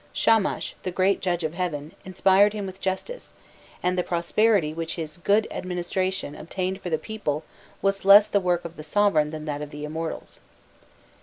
Shamash, the great judge of heaven, inspired him with justice, and the prosperity which his good administration obtained for the people was less the work of the sovereign than that of the immortals.